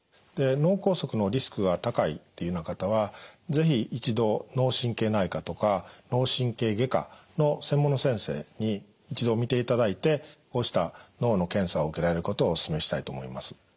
で脳梗塞のリスクが高いっていうような方は是非一度脳神経内科とか脳神経外科の専門の先生に一度診ていただいてこうした脳の検査を受けられることをおすすめしたいと思います。